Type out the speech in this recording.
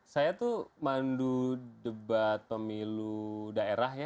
saya tuh mandu debat pemilu daerah ya